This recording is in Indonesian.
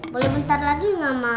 boleh bentar lagi gak mak